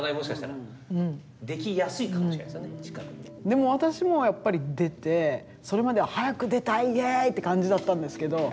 でも私もやっぱり出てそれまでは「早く出たいイエイ！」って感じだったんですけど